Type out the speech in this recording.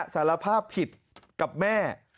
สารภาพผิดกับแม่